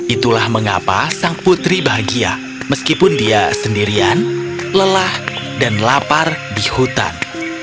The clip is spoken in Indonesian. itulah mengapa sang putri bahagia meskipun dia sendirian lelah dan lapar di hutan